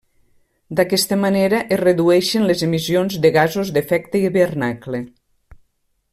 D'aquesta manera es redueixen les emissions de gasos d'efecte hivernacle.